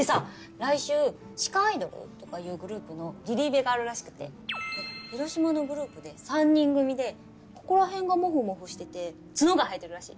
来週鹿アイドル？とかいうグループのリリイベがあるらしくて広島のグループで３人組でここら辺がモフモフしてて角が生えてるらしい